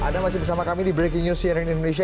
pada saat ini bersama kami di breaking news siren indonesia